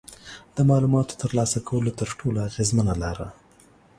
د معلوماتو ترلاسه کولو تر ټولو اغیزمنه لاره